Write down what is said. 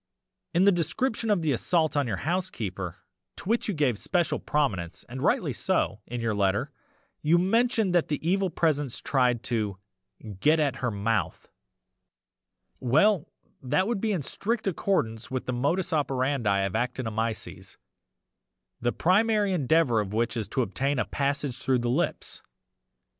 "'In the description of the assault on your housekeeper, to which you gave special prominence (and rightly so) in your letter, you mentioned that the EVIL PRESENCE tried to "get at her mouth" well that would be in strict accordance with the modus operandi of actinomyces, the primary endeavour of which is to obtain a passage through the lips.